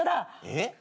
えっ？